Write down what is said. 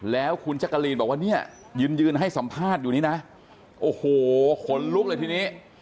แล้วคุณจักรีนบอกว่าเนี่ยยืนยืนให้สัมภาษณ์อยู่นี่นะโอ้โหขนลุกเลยทีนี้